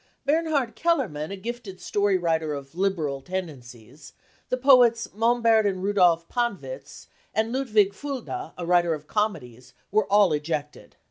Bernhard Kellermann, a gifted story writer of liberal tendencies, the poets Mombert and Rudolf Panwitz, and Ludwig Fulda, a writer of comedies, were all ejected.